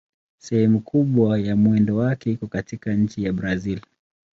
Sehemu kubwa ya mwendo wake iko katika nchi ya Brazil.